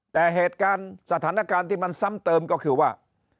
แต่เหตุการณ์สถานการณ์ที่มันซ้ำเติมก็คือว่า